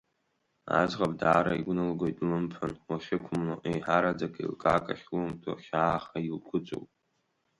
Аӡӷаб даара игәнылгоит лымԥан уахьықәымло, еиҳараӡак еилкаак ахьлумҭо хьааха илгәыҵоуп.